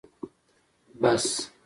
🚍 بس